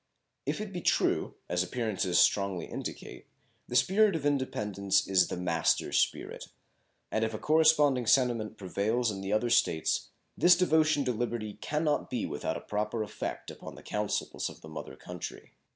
If it be true, as appearances strongly indicate, the spirit of independence is the master spirit, and if a corresponding sentiment prevails in the other States, this devotion to liberty can not be without a proper effect upon the counsels of the mother country.